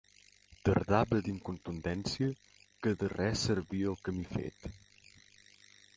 Tardà va dir amb contundència que de res servia el camí fet.